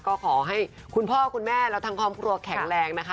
ก็ขอให้คุณพ่อคุณแม่และทั้งครอบครัวแข็งแรงนะคะ